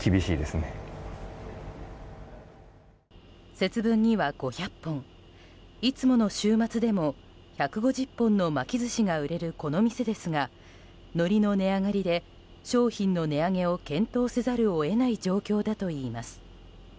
節分には５００本いつもの週末でも１５０本の巻き寿司が売れるこの店ですがのりの値上がりで商品の値上げを検討せざるを得ない状況だといいます。